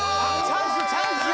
チャンスチャンス！